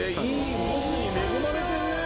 いいボスに恵まれてるね